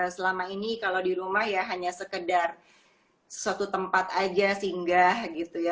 selama ini kalau di rumah ya hanya sekedar suatu tempat aja singgah gitu ya